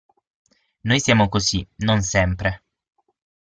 Noi siamo così (non sempre)!